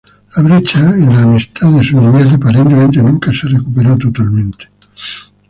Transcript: La brecha en la amistad de su niñez aparentemente nunca se recuperó totalmente.